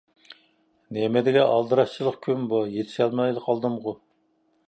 نېمىدېگەن ئالدىراشچىلىق كۈن بۇ؟ يېتىشەلمەيلا قالدىمغۇ.